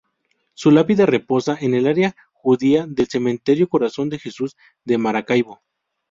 Su lápida reposa en el área judía del Cementerio Corazón de Jesús de Maracaibo.